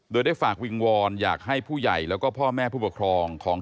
โดยได้ฝากวิงวอนอยากให้ผู้ใหญ่แล้วก็พ่อแม่ผู้ปกครองของ